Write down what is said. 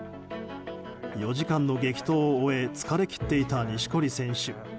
４時間の激闘を終え疲れ切っていた錦織選手。